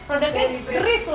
oh dikasih loh